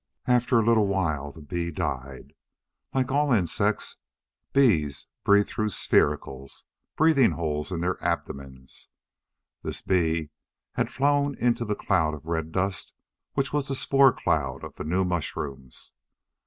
After a little while the bee died. Like all insects, bees breathe through spiracles breathing holes in their abdomens. This bee had flown into the cloud of red dust which was the spore cloud of the new mushrooms.